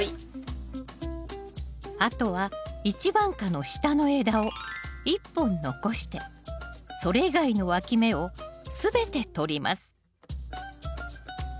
あとは一番果の下の枝を１本残してそれ以外のわき芽をすべてとります